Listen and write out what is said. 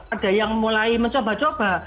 ada yang mulai mencoba coba